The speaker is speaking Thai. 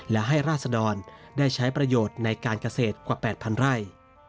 และให้ราศดรได้ใช้ประโยชน์ในการเกษตรกว่า๘๐๐ไร่